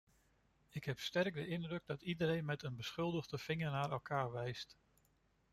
Ik heb sterk de indruk dat iedereen met de beschuldigende vinger naar elkaar wijst.